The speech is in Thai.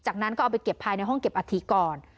จากนั้นก็เอาไปเก็บภายในห้องเก็บอัฐิก่อน